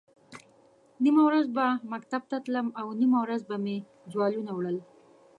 نیمه ورځ به مکتب ته تلم او نیمه ورځ به مې جوالونه وړل.